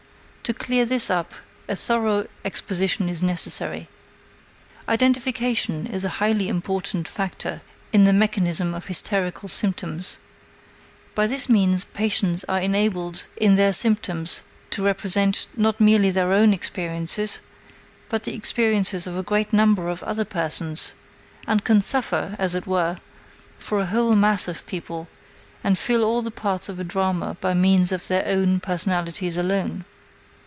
To clear this up a thorough exposition is necessary. Identification is a highly important factor in the mechanism of hysterical symptoms; by this means patients are enabled in their symptoms to represent not merely their own experiences, but the experiences of a great number of other persons, and can suffer, as it were, for a whole mass of people, and fill all the parts of a drama by means of their own personalities alone.